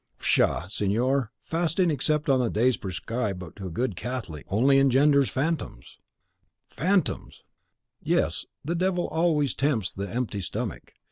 Pshaw, signor, fasting, except on the days prescribed to a good Catholic, only engenders phantoms." "Phantoms!" "Yes; the devil always tempts the empty stomach.